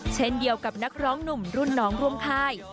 เช่นเดียวกับนักร้องหนุ่มรุ่นน้องร่วมค่าย